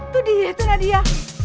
tuh dia tuh nadia